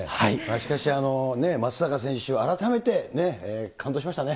しかし、松坂選手、改めてね、感動しましたね。